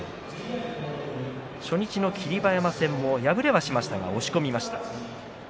初日の霧馬山戦敗れはしましたが押し込みました。